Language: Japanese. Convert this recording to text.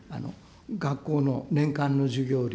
学校の年間の授業料。